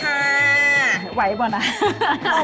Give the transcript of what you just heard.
เอาไปต้มได้เลยค่ะ